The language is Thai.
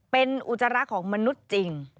เป็นอุจจาระของมนุษย์จริง